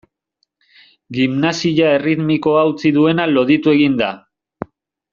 Gimnasia erritmikoa utzi duena loditu egin da.